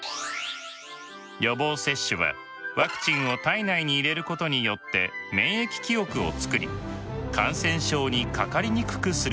予防接種はワクチンを体内に入れることによって免疫記憶を作り感染症にかかりにくくするのです。